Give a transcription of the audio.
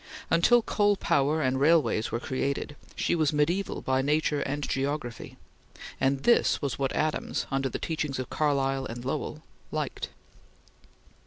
Until coal power and railways were created, she was mediaeval by nature and geography, and this was what Adams, under the teachings of Carlyle and Lowell, liked.